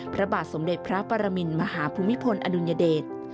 พระบาทสมเด็จพระปรมินมหาภูมิพลอดุลยเดช